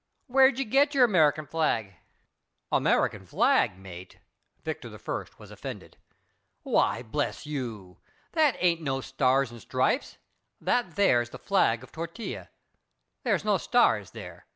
"Where did you get your American flag?" "American flag, mate?" Victor I. was offended. "Why, bless you, that ain't no stars and stripes. That there's the flag of Tortilla. There's no stars there.